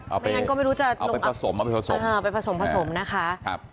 เอาไปผสมเอาไปผสมเอาไปผสมผสมนะคะ